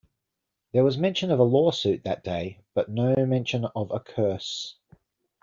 There was mention of a lawsuit that day, but no mention of a curse.